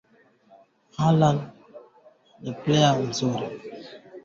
Akuna kintu kile kina kosa ku byote turi lomba ku serkali nju ya mama